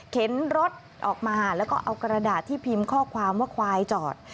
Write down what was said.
รถออกมาแล้วก็เอากระดาษที่พิมพ์ข้อความว่าควายจอด